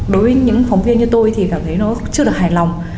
đối với những phóng viên như tôi thì cảm thấy nó chưa được hài lòng